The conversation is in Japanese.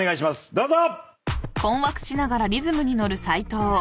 どうぞ！